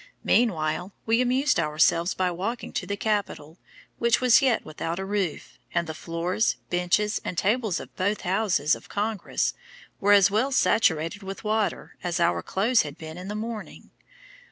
Meanwhile we amused ourselves by walking to the capitol, which was yet without a roof, and the floors, benches, and tables of both houses of Congress were as well saturated with water as our clothes had been in the morning.